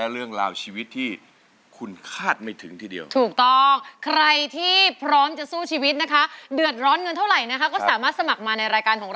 เรามาสู้กันทุกสาวอาทิตย์นะเลย